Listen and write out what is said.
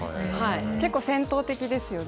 結構、戦闘的ですよね。